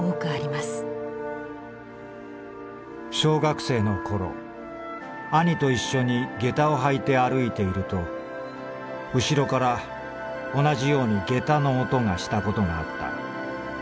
「小学生の頃兄といっしょに下駄をはいてあるいているとうしろから同じように下駄の音がしたことがあった。